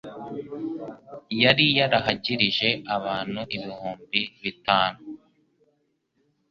yari yarahagirije abantu ibihumbi bitanu.